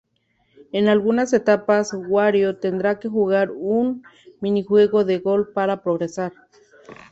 En algunas etapas, Wario tendrá que jugar un minijuego de golf para progresar.